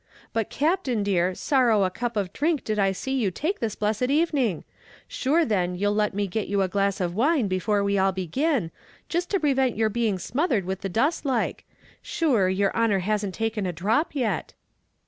"But, Captain, dear, sorrow a sup of dhrink did I see you take this blessed evening; shure then you'll let me get you a glass of wine before we all begin, jist to prevent your being smothered with the dust like; shure, yer honour hasn't taken a dhrop yet."